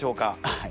はい。